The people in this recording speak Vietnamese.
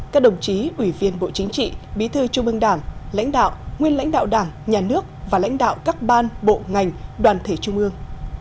các đồng chí ủy viên bộ chính trị bí thư trung ương đảng lãnh đạo nguyên lãnh đạo đảng nhà nước và lãnh đạo các ban bộ ngành đoàn thể trung ương